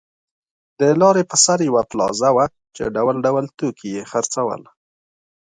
د لارې پر سر یوه پلازه وه چې ډول ډول توکي یې خرڅول.